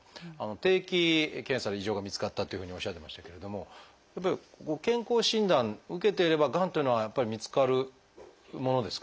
定期検査で異常が見つかったというふうにおっしゃってましたけれども健康診断受けてればがんっていうのは見つかるものですか？